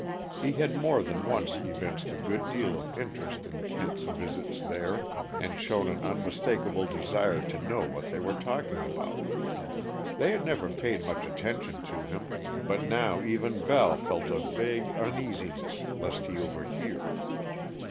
He had more than once evinced a good deal of interest in Kent's visits there, and shown an unmistakable desire to know what they were talking about. They had never paid much attention to him; but now even Val felt a vague uneasiness lest he overhear.